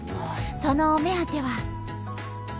そのお目当ては。